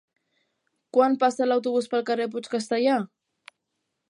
Quan passa l'autobús pel carrer Puig Castellar?